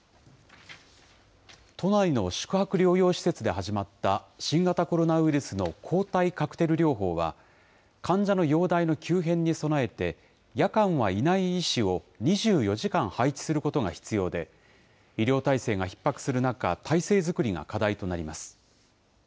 都内の宿泊療養施設で始まった、新型コロナウイルスの抗体カクテル療法は、患者の容体の急変に備えて、夜間はいない医師を２４時間配置することが必要で、医療体制がひっ迫する中、体制作りが課題となります。